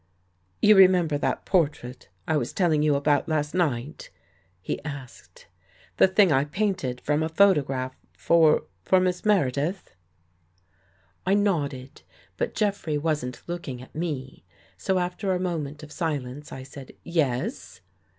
" You remember that portrait I was telling you about last night?" he asked. "The thing I painted from a photograph for — for Miss Mere dith?" I nodded, but Jeffrey wasn't looking at me, so after a moment of silence, I said " Yes."